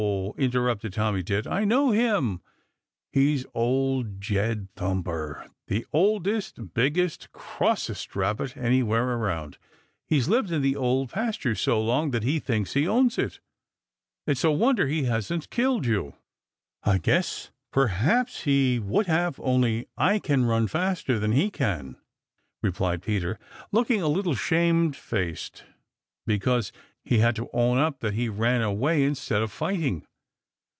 interrupted Tommy Tit, "I know him. He's Old Jed Thumper, the oldest, biggest, crossest Rabbit anywhere around. He's lived in the Old Pasture so long that he thinks he owns it. It's a wonder that he hasn't killed you." "I guess perhaps he would have only I can run faster than he can," replied Peter, looking a little shamefaced because he had to own up that he ran away instead of fighting.